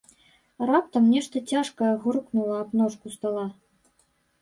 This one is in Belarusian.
Раптам нешта цяжкае грукнула аб ножку стала.